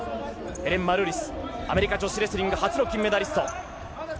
ヘレン・マルーリス、アメリカ女子レスリング初の金メダリスト。